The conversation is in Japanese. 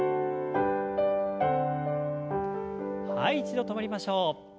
はい一度止まりましょう。